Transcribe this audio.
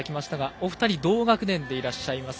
お二人同学年でいらっしゃいます。